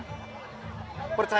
percaya nggak percaya